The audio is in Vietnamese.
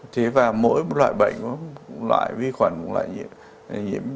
thế và mỗi loại bệnh loại vi khuẩn loại nhiễm